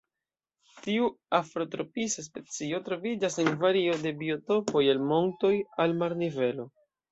Tiu afrotropisa specio troviĝas en vario de biotopoj el montoj al marnivelo.